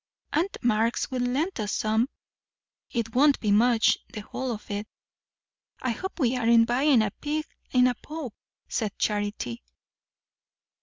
Aunt Marx will lend us some. It won't be much, the whole of it." "I hope we aren't buying a pig in a poke," said Charity.